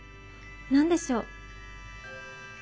何でしょう？